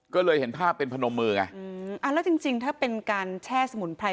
ก็เลยเห็นภาพเป็นพนมมือไงอืมอ่าแล้วจริงจริงถ้าเป็นการแช่สมุนไพร